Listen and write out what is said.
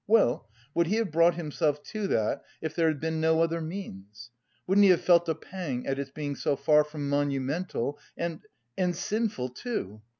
Well, would he have brought himself to that if there had been no other means? Wouldn't he have felt a pang at its being so far from monumental and... and sinful, too?